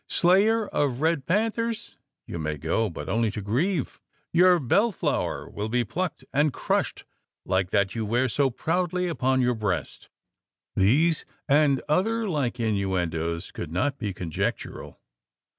"Slayer of red panthers? You may go, but only to grieve." "Your bell flower will be plucked and crushed like that you wear so proudly upon your breast." These, and other like innuendoes, could not be conjectural?